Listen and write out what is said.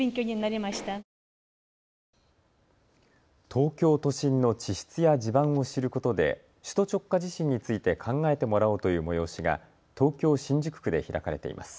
東京都心の地質や地盤を知ることで首都直下地震について考えてもらおうという催しが東京新宿区で開かれています。